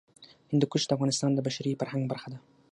هندوکش د افغانستان د بشري فرهنګ برخه ده.